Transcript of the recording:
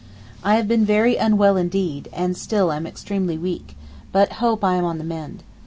I have been very unwell indeed and still am extremely weak, but I hope I am on the mend.